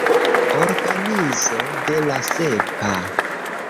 Organizo de la Sepa.